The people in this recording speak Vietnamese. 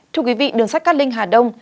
thưa quý vị đường sắt các lên hà đông